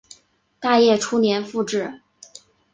大业初年复置。